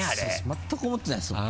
全く思ってないですよ。